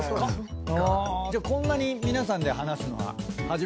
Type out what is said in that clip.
じゃあこんなに皆さんで話すのは初めてになるんですね。